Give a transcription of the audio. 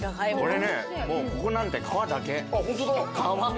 ここなんて皮だけ。